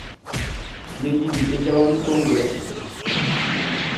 Ye yili ye jaʼnvuɛʼm kɔnguɛ.